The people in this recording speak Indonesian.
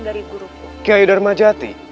hai guru kukai jabat